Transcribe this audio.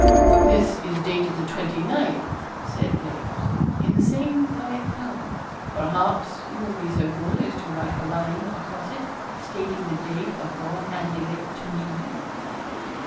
'This is dated the 29th,' said Lake, in the same quiet tone; 'perhaps you will be so good as to write a line across it, stating the date of your handing it to me.'